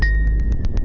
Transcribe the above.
tidak ada apa apa